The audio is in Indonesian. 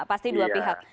pasti dua pihak